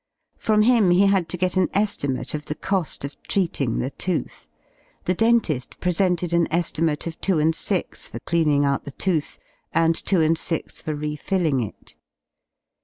From him he had to get an estimate of the co^ of treating the tooth. The dentil presented an e^imate of 2/6 for cleaning out the tooth, and 2/6 for refilling it.